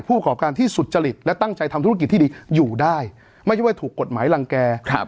ประกอบการที่สุจริตและตั้งใจทำธุรกิจที่ดีอยู่ได้ไม่ใช่ว่าถูกกฎหมายรังแก่